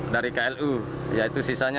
dari klu yaitu sisanya